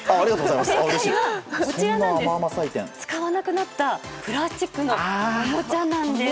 正解は使わなくなったプラスチックのおもちゃなんです。